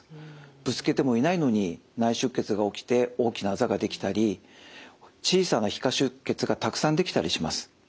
ぶつけてもいないのに内出血が起きて大きなあざができたり小さな皮下出血がたくさんできたりします。